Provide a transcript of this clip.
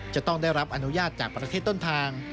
จะต้องได้รับอนุญาตจากประเทศต้นทาง